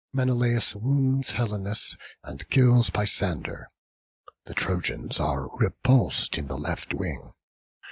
Menelaus wounds Helenus and kills Peisander. The Trojans are repulsed in the left wing.